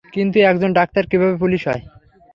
কিন্তু একজন ডাক্তার কীভাবে পুলিশ হয়?